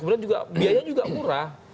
kemudian juga biaya juga murah